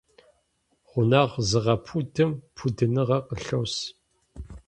Гъунэгъу зыгъэпудым пудыныгъэ къылъос.